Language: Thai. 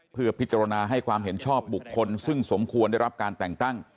เพื่อพิจารณาให้ความเห็นชอบบุคคลซึ่งสมควรได้รับการแต่งตั้ง